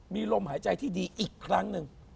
มีลมหายใจที่ดีอีกครั้งหนึ่ง